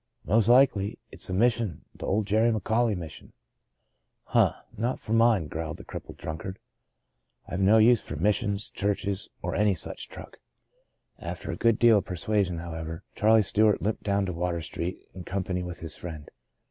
"Most likely. It's a Mission — the old Jerry McAuley Mission." De Profundi's 4^ " Huh — not for mine," growled the crip pled drunkard. " I've no use for missions, churches, or any such truck." After a good deal of persuasion, however, Charlie Stewart limped down to Water Street, in company with his friend.